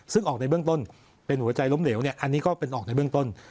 ซึ่งออกในเบื้องต้นเป็นหัวใจล้มเหลวอันนี้ก็เป็นออกในเบื้องต้น